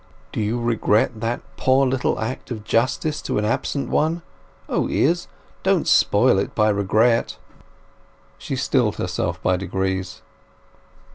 "Do you regret that poor little act of justice to an absent one? O, Izz, don't spoil it by regret!" She stilled herself by degrees.